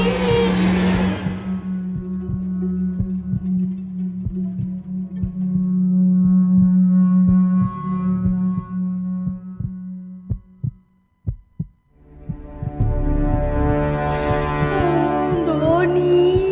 lo dimana sih doni